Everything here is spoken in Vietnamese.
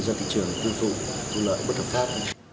để đưa ra thị trường